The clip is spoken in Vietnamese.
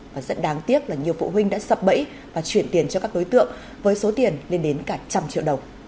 và rất đáng tiếc là nhiều phụ huynh đã sập bẫy và chuyển tiền cho các đối tượng với số tiền lên đến cả trăm triệu đồng